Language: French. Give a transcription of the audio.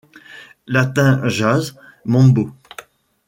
Latin jazz, mambo.